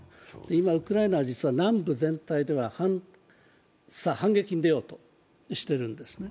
今ウクライナは南部全体では反撃に出ようとしているんですね。